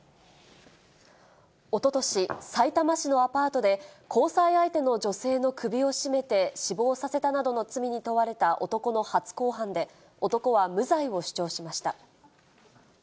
おととし、さいたま市のアパートで、交際相手の女性の首を絞めて死亡させたなどの罪に問われた男の初公判で、男は無罪を主張しました。